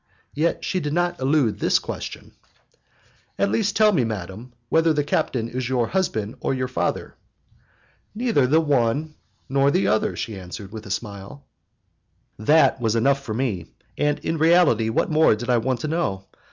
Yet she did not elude this question: "At least tell me, madam, whether the captain is your husband or your father." "Neither one nor the other," she answered, with a smile. That was enough for me, and in reality what more did I want to know?